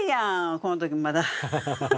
この時まだ。